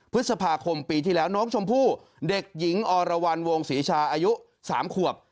พฤษภาคมปีที่แล้วน้องชมพู่เด็กหญิงอรวรรณวงศรีชาอายุ๓ขวบ